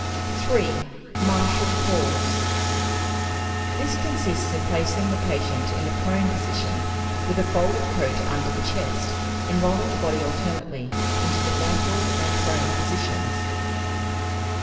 3. Marshall Hall's. This consists in placing the patient in the prone position, with a folded coat under the chest, and rolling the body alternately into the lateral and prone positions.